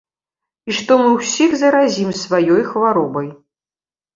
І што мы ўсіх заразім сваёй хваробай.